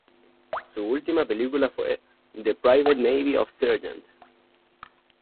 Su última película fue "The Private Navy of Sgt.